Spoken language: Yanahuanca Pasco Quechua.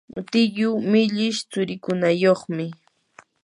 tiyuu millish tsurikunayuqmi.